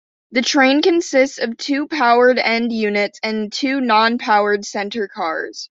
The train consists of two powered end units and two non-powered center cars.